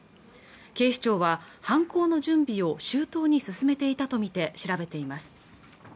警視庁は犯行の準備を周到に進めていたとみて調べています